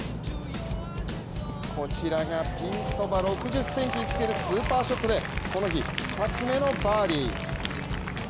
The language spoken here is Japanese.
こちらがピンそば６０ｃｍにつけるスーパーショットでこの日２つ目のバーディー。